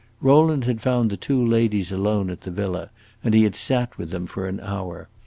Rowland had found the two ladies alone at the villa, and he had sat with them for an hour.